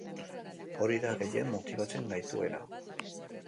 Hori da gehien motibatzen gaituena.